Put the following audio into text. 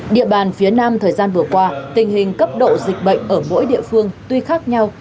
địa bàn phía nam thời gian vừa qua tình hình cấp độ dịch bệnh ở mỗi địa phương tuy khác nhau